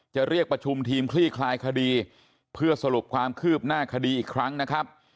จะเรียกประชุมทีมคลี่คลายคดีเพื่อสรุปความคืบหน้าคดีอีกครั้งนะครับ